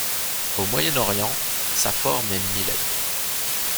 Au Moyen-Orient, sa forme est Miled.